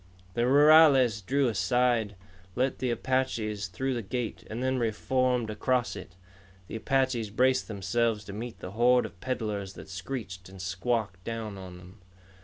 The rurales drew aside, let the Apaches through the gate, and then reformed across it. The Apaches braced themselves to meet the horde of peddlers that screeched and squawked down on them.